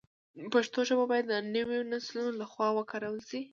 پښتو ژبه باید د نویو نسلونو له خوا وکارول شي.